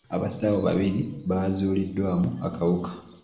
Abasawo babiri baazuuliddwamu akawuka.